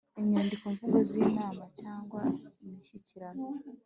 inyandiko mvugo z inama cyangwa imishyikirano